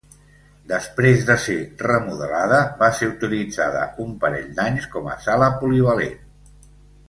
Després de ser remodelada va ser utilitzada un parell d'anys com a sala polivalent.